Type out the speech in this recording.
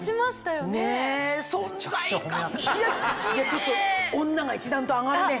ちょっと女が一段と上がるね！